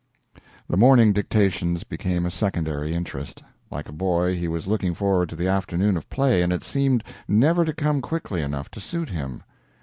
The morning dictations became a secondary interest. Like a boy, he was looking forward to the afternoon of play, and it seemed never to come quickly enough to suit him.